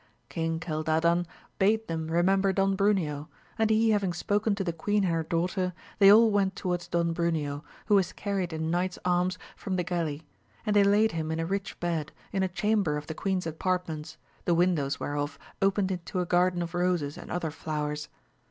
King Cildadan bade thent remember Don Bruneo, and he having spoken to the queen and her daughter, they all went towards Don Bruneo, who was carried in knights' arms from the galley, and they laid him in a rich bed, in a chamber of the queen's apartments, the windows whereof opened into a garden of roses and other flowers.